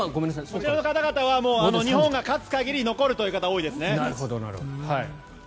こちらの方々は日本が勝つ限り残るという方が多いですね。